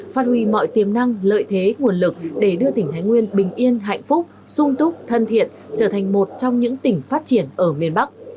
phát huy mọi tiềm năng lợi thế nguồn lực để đưa tỉnh thái nguyên bình yên hạnh phúc sung túc thân thiện trở thành một trong những tỉnh phát triển ở miền bắc